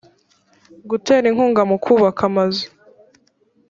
gutera inkunga mu kubaka amazu